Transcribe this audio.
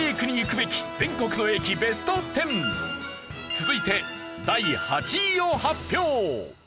続いて第８位を発表。